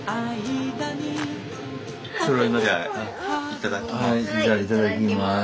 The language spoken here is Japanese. いただきます。